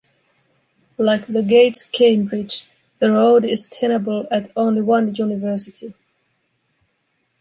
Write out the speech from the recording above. Like the Gates Cambridge, the Rhodes is tenable at only one university.